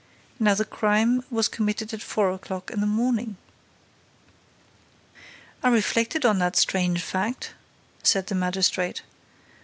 Now the crime was committed at four o'clock in the morning." "I reflected on that strange fact," said the magistrate, "and M.